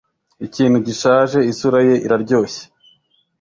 ikintu gishaje, isura ye iraryoshye,